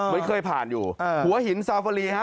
ไม่เคยผ่านอยู่หัวหินซาฟารีฮะ